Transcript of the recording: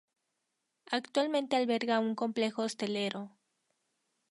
Actualmente alberga un complejo hostelero.